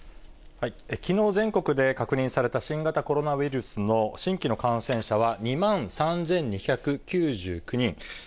きのう全国で確認された新型コロナウイルスの新規の感染者は２万３２９９人。